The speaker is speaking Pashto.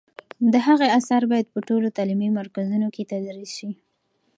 د هغه آثار باید په ټولو تعلیمي مرکزونو کې تدریس شي.